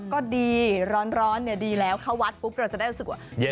ก็ดีร้อนดีแล้วเข้าวัดปุ๊บเราจะได้รู้สึกว่า